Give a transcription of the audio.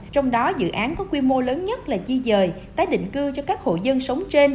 trong đó dự án có quy mô lớn nhất là di dời tái định cư cho các hộ dân sống trên